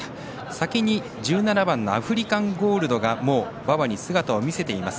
先に１７番のアフリカンゴールドが馬場に姿を見せています。